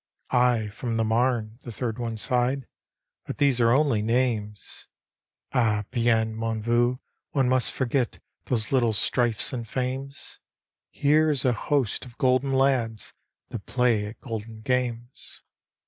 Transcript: " I from the Marne," the third one sighed, " but these are only names. £h bien, mon vieux, one must forget those little strifes and fames! Here is a host of Golden Lads, that play at golden games."